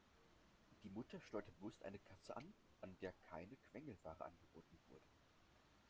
Die Mutter steuerte bewusst eine Kasse an, an der keine Quengelware angeboten wurde.